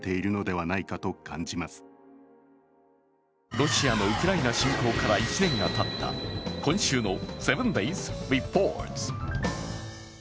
ロシアのウクライナ侵攻から１年がたった今週の「７ｄａｙｓリポート」。